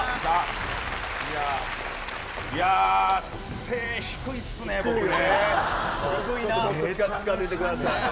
いや背、低いっすね、僕ね。